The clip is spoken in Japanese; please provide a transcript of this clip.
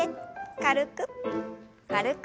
軽く軽く。